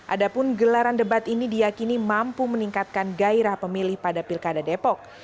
adapun gelaran debat ini diakini mampu meningkatkan gairah pemilih pada pilkada depok